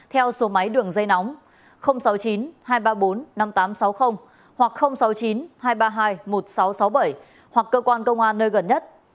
theo số máy đường dây nóng sáu mươi chín hai trăm ba mươi bốn năm nghìn tám trăm sáu mươi hoặc sáu mươi chín hai trăm ba mươi hai một nghìn sáu trăm sáu mươi bảy hoặc cơ quan công an nơi gần nhất